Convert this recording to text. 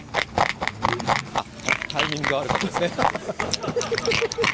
あっ、タイミングが悪かったですね